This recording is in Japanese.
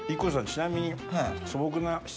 ちなみに。